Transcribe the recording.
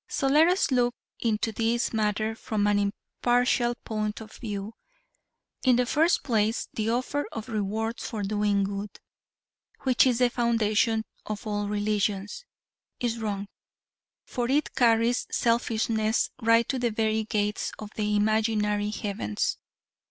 So let us look into this matter from an impartial point of view. In the first place the offer of rewards for doing good, which is the foundation of all religions is wrong, for it carries selfishness right to the very gates of the imaginary heavens.